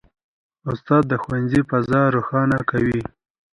استاد د ښوونځي فضا روښانه کوي.